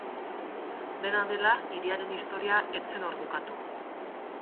Dena dela, hiriaren historia ez zen hor bukatu.